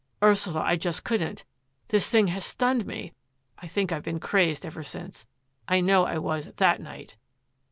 "Ursula, I just couldn't! This thing has stunned me. I think I've been crazed ever since. I know I was that night."